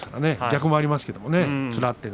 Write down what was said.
逆もありますからね